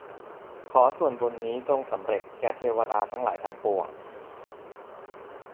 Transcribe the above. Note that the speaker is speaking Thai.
ขอส่วนบุญนี้จงสำเร็จแก่เทวดาทั้งหลายทั้งปวง